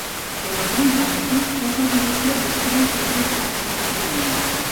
Finalment, tanmateix, es va divorciar després de tretze anys de matrimoni.